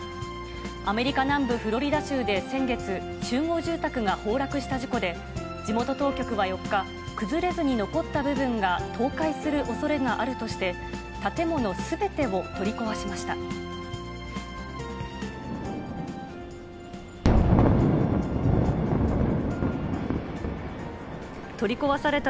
アメリカ南部フロリダ州で先月、集合住宅が崩落した事故で、地元当局は４日、崩れずに残った部分が倒壊するおそれがあるとして、建物すべてを取り壊しました。